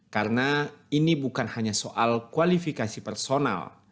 karena ini bukan hanya soal kualifikasi personal